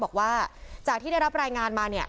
บอกว่าจากที่ได้รับรายงานมาเนี่ย